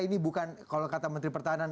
ini bukan kalau kata menteri pertahanan